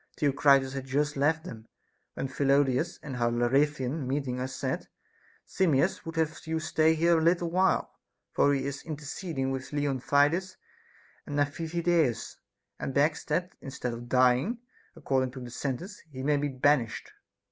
Theocritus had just left them, when Phidolaus the Haliartian meeting us said: Simmias would have you stay here a little while, for he is SOCRATES'S DAEMON. 383 interceding with Leontidas for Amphitheus, and begs that instead of dying, according to the sentence, he may be banished.